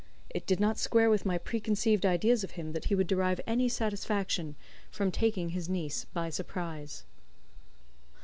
It did not square with my preconceived ideas of him that he would derive any satisfaction from taking his niece by surprise.